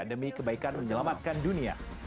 demi kebaikan menyelamatkan dunia